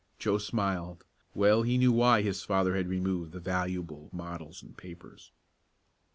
Joe smiled well he knew why his father had removed the valuable models and papers.